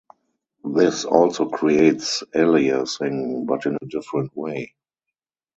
This also creates aliasing, but in a different way.